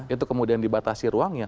itu kemudian dibatasi ruangnya